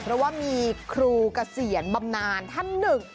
เพราะว่ามีครูเกษียณบำนานท่านหนึ่ง